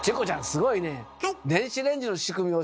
すごいねえ！